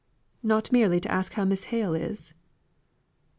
"Not merely to ask how Miss Hale is?"